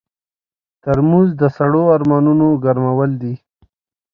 ترموز د سړو ارمانونو ګرمول دي.